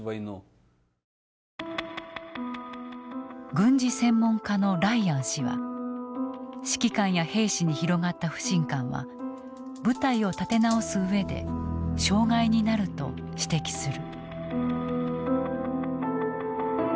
軍事専門家のライアン氏は指揮官や兵士に広がった不信感は部隊を立て直す上で障害になると指摘する。